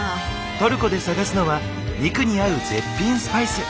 トルコで探すのは肉に合う絶品スパイス。